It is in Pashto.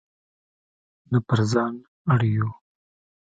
نه پر ځان اړ یو.